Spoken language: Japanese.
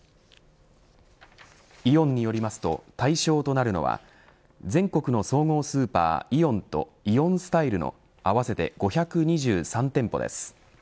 イオンによりますと対象となるのは全国の総合スーパーイオンとイオンスタイルの合わせて５２３店舗です。